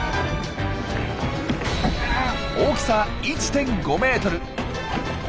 大きさ１．５ｍ。